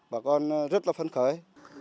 bà con rất là phấn khởi